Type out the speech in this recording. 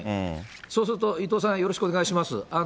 そうすると、伊藤さん、よろしくお願いします。